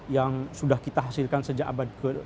yang sudah kita hasilkan sejak awal